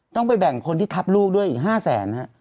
ต้องไปแบ่งคนที่ทับลูกด้วยอีก๕แสนฮะ